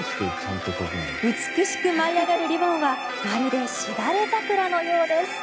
美しく舞い上がるリボンはまるでしだれ桜のようです。